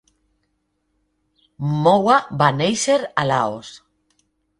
Moua va néixer a Laos.